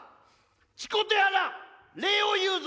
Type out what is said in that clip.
チコとやら礼を言うぞ！